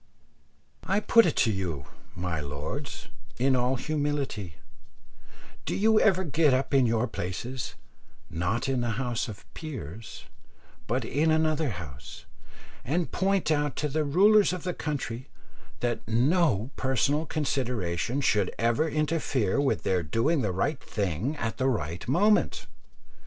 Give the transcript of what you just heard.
I put it to you, my lords, in all humility, do you ever get up in your places, not in the House of Peers, but in another House, and point out to the rulers of the country that no personal consideration should ever interfere with their doing the right thing at the right moment?